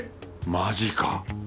マジか